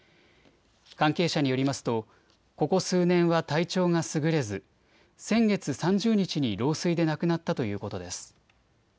関係者によりますとここ数年は体調がすぐれず先月３０日に老衰で亡くなったということです。